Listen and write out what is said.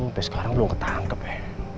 sampai sekarang belum ketangkep ya